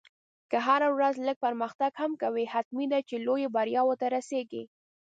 که هره ورځ لږ پرمختګ هم کوې، حتمي ده چې لویو بریاوو ته رسېږې.